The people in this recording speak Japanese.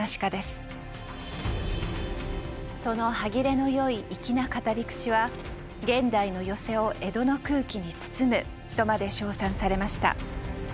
その歯切れの良い粋な語り口は「現代の寄席を江戸の空気に包む」とまで称賛されました。